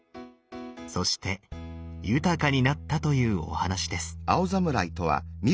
そして豊かになったというお話です。